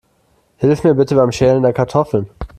Hilf mir bitte beim Schälen der Kartoffeln.